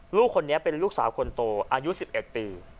ลูกคนนี้เป็นลูกสาวคนโตอายุ๑๑ปี